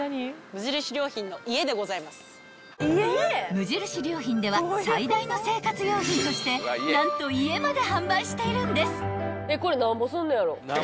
［無印良品では最大の生活用品として何と家まで販売してるんです］